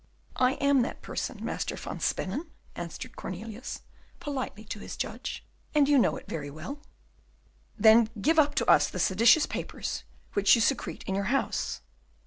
"I am that person, Master van Spennen," answered Cornelius, politely, to his judge, "and you know it very well." "Then give up to us the seditious papers which you secrete in your house."